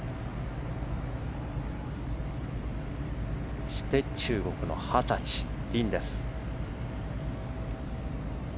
そして、中国の二十歳リンです。